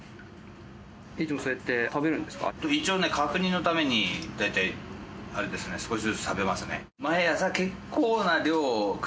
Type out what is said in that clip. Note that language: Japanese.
一応ね確認のために大体あれですね少しずつ食べますね。